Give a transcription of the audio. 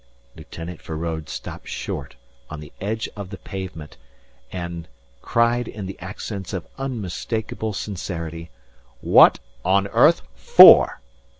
Lieutenant Feraud stopped short on the edge of the pavement and cried in the accents of unmistakable sincerity: "What on earth for?"